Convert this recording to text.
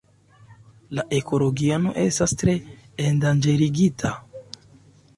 La ekoregiono estas tre endanĝerigita.